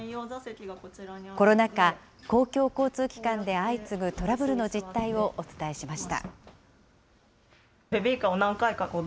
コロナ禍、公共交通機関で相次ぐトラブルの実態をお伝えしました。